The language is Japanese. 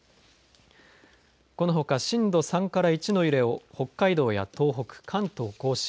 このほか震度３から１の揺れを北海道や東北関東甲信